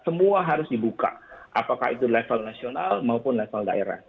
semua harus dibuka apakah itu level nasional maupun level daerah